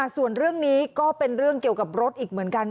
ส่วนเรื่องนี้ก็เป็นเรื่องเกี่ยวกับรถอีกเหมือนกัน